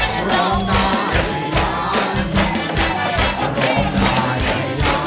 ถูกหรือ